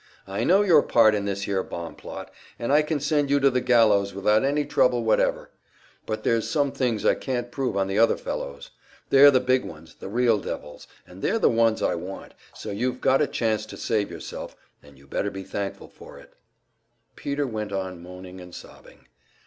I know your part in this here bomb plot, and I can send you to the gallows without any trouble whatever. But there's some things I can't prove on the other fellows. They're the big ones, the real devils, and they're the ones I want, so you've got a chance to save yourself, and you better be thankful for it." Peter went on moaning and sobbing.